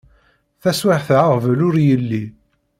Taswiεt-a aɣbel ur yelli.